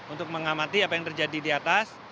untuk mengamati apa yang terjadi di atas